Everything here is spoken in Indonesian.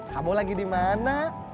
kamu lagi dimana